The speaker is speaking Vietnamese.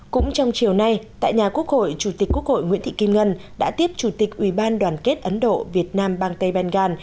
cũng trong chiều nay tại nhà quốc hội chủ tịch quốc hội nguyễn thị kim ngân đã tiếp chủ tịch ubnd ấn độ việt nam bang tây bèn gàn